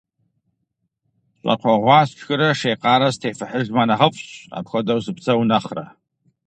Щӏакхъуэ гъуа сшхырэ шей къарэ сытефыхьыжмэ нэхъыфӏщ, апхуэдэу сыпсэу нэхърэ.